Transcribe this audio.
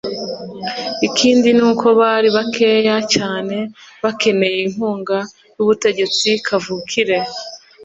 ikindi ni uko bari bakeya cyane bakeneye inkunga y'ubutegetsi kavukire.